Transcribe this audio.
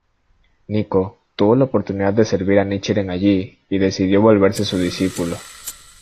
Nikko tuvo la oportunidad de servir a Nichiren allí y decidió volverse su discípulo.